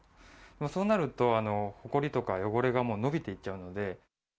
そうなると、ほこりとか汚れがのびていっちゃうので。